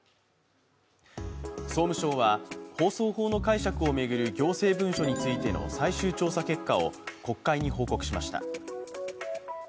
総務省は放送法の解釈を巡る行政文書についての最終調査結果を国会に報告しました。